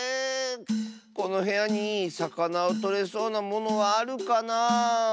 このへやにさかなをとれそうなものはあるかなあ。